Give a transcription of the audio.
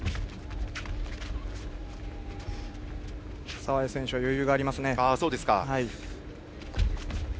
澤江選手は余裕がありますね。